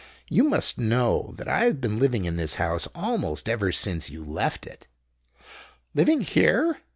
"You must know that I've been living in this house almost ever since you left it." "Living here!"